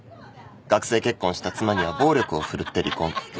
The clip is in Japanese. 学生結婚した妻には暴力を振るって離婚。